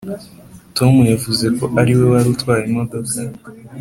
tom yavuze ko ari we wari utwaye imodoka.